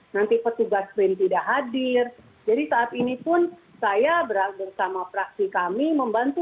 nanti petugas lain tidak hadir jadi saat inipun saya beranggur sama praktik kami membantu